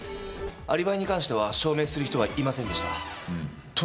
アリバイに関しては証明する人はいませんでした。